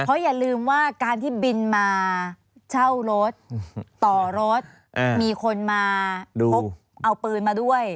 เพราะอย่าลืมว่าการที่บินมาเช่ารถต่อรถมีคนมาพกเอาปืนมาด้วย